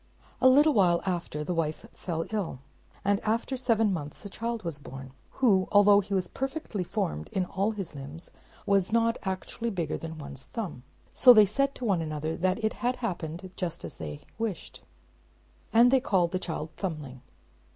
A little while after the wife fell ill; and after seven months a child was born, who, although he was perfectly formed in all his limbs, was not actually bigger than one's thumb. So they said to one another that it had happened just as they wished; and they called the child "Thumbling."